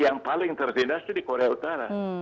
yang paling tersindas itu di korea utara